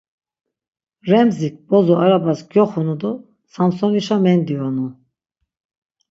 Remzik bozo arabas gyoxunu do Samsonişa mendiyonu.